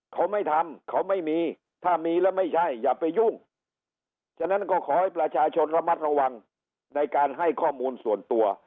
เขาไม่ทำเขาไม่มีถ้ามีแล้วไม่ใช่อย่าไปยุ่งฉะนั้นก็ขอให้ประชาชนระมัดระวังในการให้ข้อมูลส่วนตัว